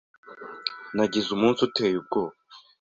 Nagize umunsi uteye ubwoba.